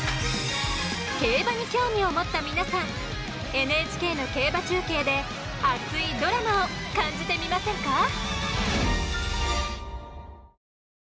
競馬に興味を持った皆さんＮＨＫの競馬中継で熱いドラマを感じてみませんか？